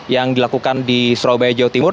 yang dilakukan di surabaya jawa timur